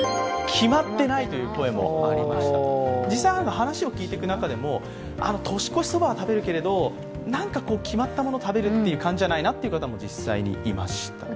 話を聞いていく中でも、年越しそばは食べるけども、なんか決まったものを食べる感じじゃないなという方も実際にいましたね。